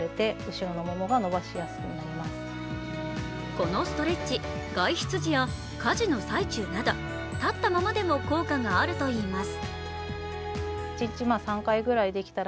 このストレッチ、外出時や家事の最中など立ったままでも効果があるといいます。